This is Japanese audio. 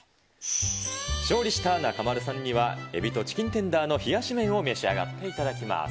勝利した中丸さんには、エビとチキンテンダーの冷やし麺を召し上がっていただきます。